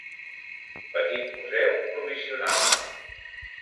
Petit Museu Provisional.